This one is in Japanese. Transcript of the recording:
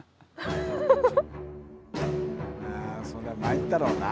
そりゃまいったろうな。